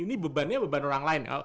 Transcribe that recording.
ini bebannya beban orang lain